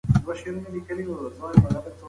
که سپک خواړه تازه نه وي، خوند یې کم وي.